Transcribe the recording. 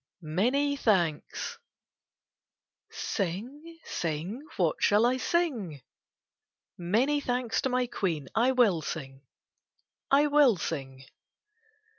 78 KITTENS AND CATS MANY THANKS Sing, sing, what shall I sing? Many thanks to my Queen, I will sing, I will sing.